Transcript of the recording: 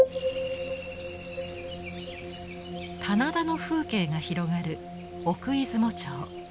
棚田の風景が広がる奥出雲町。